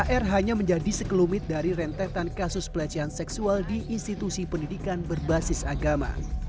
ar hanya menjadi sekelumit dari rentetan kasus pelecehan seksual di institusi pendidikan berbasis agama